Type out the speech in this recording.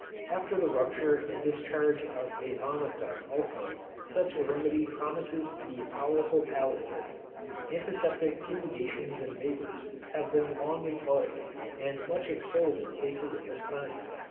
After the rupture and discharge of a VOMICA also, such a remedy promises to be a powerful palliative. Antiseptic fumigations and vapours have been long employed, and much extolled in cases of this kind.